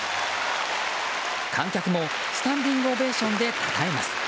観客もスタンディングオベーションで称えます。